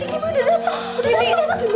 si kimu udah datang